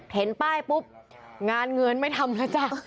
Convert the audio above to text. เห็นป้ายปุ๊บงานเงินไม่ทำแล้วจ้ะ